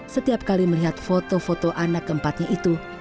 setiap kali melihat foto foto anak keempatnya itu